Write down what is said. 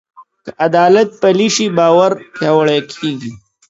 که عدالت پلی شي، باور پیاوړی کېږي.